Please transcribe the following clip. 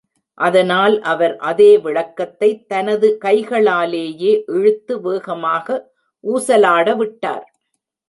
அதனால் அவர் அதே விளக்கைத் தனது கைகளாலேயே இழுத்து வேகமாக ஊசலாடவிட்டார்.